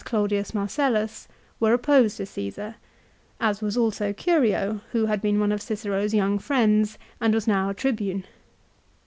Claudius Marcellus were opposed to Caesar, as was also Curio, who had been one of Cicero's young friends, and was now Tribune.